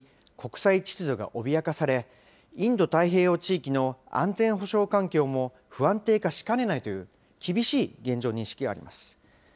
発言にはウクライナ情勢をきっかけに、国際秩序が脅かされ、インド太平洋地域の安全保障環境も不安定化しかねないという厳しい現状認識があります。